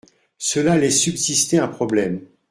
Cela laisse subsister un problème.